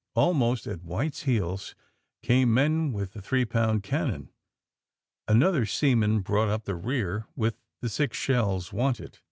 Almost at White's heels came men with the three pound gun. Another seaman brought up the rear with the six shells wanted.